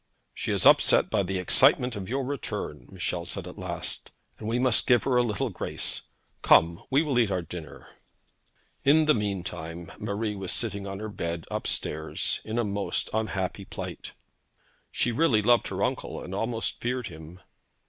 'She is upset by the excitement of your return,' Michel said at last; 'and we must give her a little grace. Come, we will eat our dinner.' In the mean time Marie was sitting on her bed up stairs in a most unhappy plight. She really loved her uncle, and almost feared him.